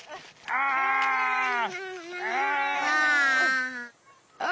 ああ。